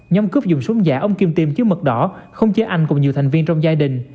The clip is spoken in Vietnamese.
nhóm cướp dùng súng giả ông kim tiêm chiếu mật đỏ không chế anh cùng nhiều thành viên trong gia đình